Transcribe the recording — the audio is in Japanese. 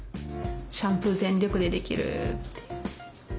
シャンプー全力でできる！って。